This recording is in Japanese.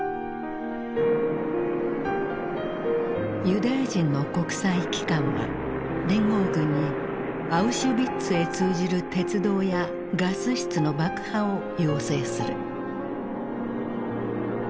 ユダヤ人の国際機関は連合軍にアウシュビッツへ通じる鉄道やガス室の爆破を要請する。